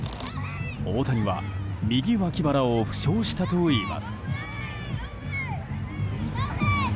大谷は右脇腹を負傷したといいます。